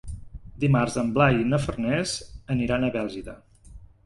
Dimarts en Blai i na Farners aniran a Bèlgida.